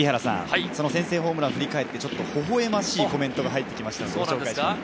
先制ホームランを振り返って微笑ましいコメントが入ってきました。